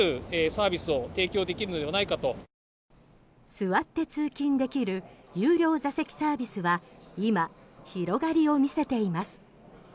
座って通勤できる有料座席サービスは今広がりを見せています。